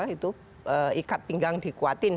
ikat pinggang dikuatkan